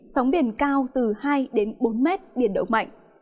sóng biển cao từ hai đến bốn mét biển động mạnh